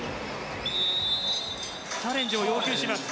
チャレンジを要求します。